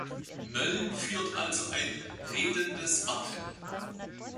Mölln führt also ein „redendes“ Wappen.